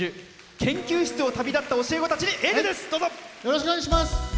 研究室を旅立った教え子たちにエールです。